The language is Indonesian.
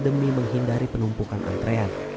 demi menghindari penumpukan antrean